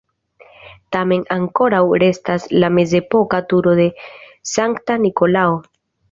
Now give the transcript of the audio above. Tamen ankoraŭ restas la mezepoka turo de Sankta Nikolao.